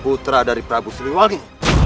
putera dari prabu sriwangi